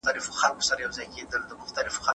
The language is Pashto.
دولت به په نوو ټرانسپورټي شبکو پانګونه وکړي.